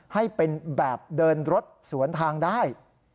ให้เป็นแบบเดินรถสวนทางได้